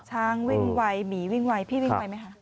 ช้างวิ่งไวหมีวิ่งไวพี่วิ่งไวไหมคะ